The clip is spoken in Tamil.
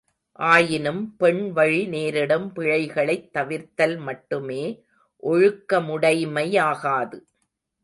ஆயினும் பெண் வழி நேரிடும் பிழைகளைத் தவிர்த்தல் மட்டுமே ஒழுக்கமுடைமையாகாது.